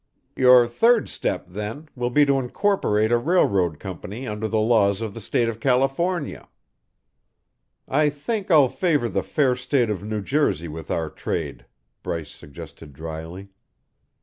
"Your third step, then, will be to incorporate a railroad company under the laws of the State of California." "I think I'll favour the fair State of New Jersey with our trade," Bryce suggested dryly.